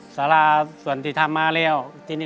สาราส่วนที่ทำมาแล้ว